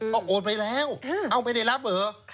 ก็โอนไปแล้วเอ้าไม่ได้รับเหรอ